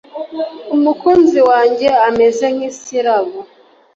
Umukunzi wanjye ameze nk’isirabo